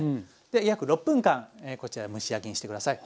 で約６分間こちら蒸し焼きにして下さい。